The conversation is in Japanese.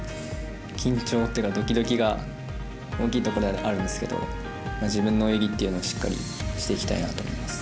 緊張というか、ドキドキが大きいところではあるんですけど自分の泳ぎをしっかりしていきたいと思います。